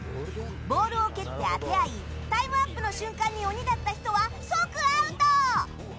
ボールを蹴って当て合いタイムアップの瞬間に鬼だった人は即アウト！